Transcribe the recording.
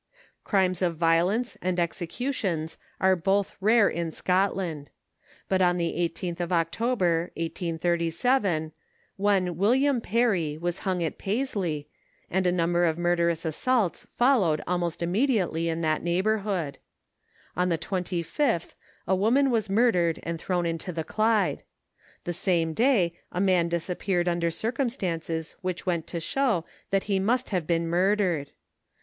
Crimes of violence and executions are both rare in Scotland. But on the 18th of October, 1837, one Wm. Perrie was hung at Paisley, and a number of murderous assaults followed almost immediately in that neighborhood. On the 25th a woman was murdered and thrown into the Clyde. The same day a man disappeared under circunistances which went to show that he must have been murdered.